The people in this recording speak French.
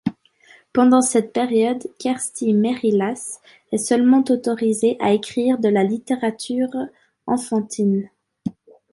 Pendant cette période Kersti Merilaas est seulement autorisée à écrire de la littérature enfantine.